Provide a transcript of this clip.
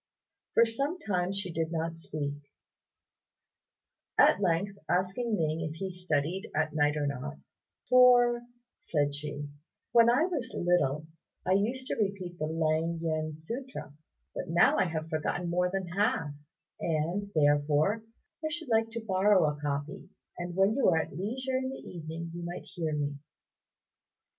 For some time she did not speak: at length asking Ning if he studied at night or not "For," said she, "when I was little I used to repeat the Lêng yen sutra; but now I have forgotten more than half, and, therefore, I should like to borrow a copy, and when you are at leisure in the evening you might hear me."